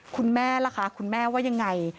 คุณแม่ล่ะคะคุณแม่ว่ายังไง